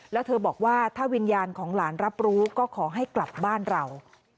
แล้วเธอบอกว่าถ้าวิญญาณของหลานรับรู้ก็ขอให้กลับบ้านเรา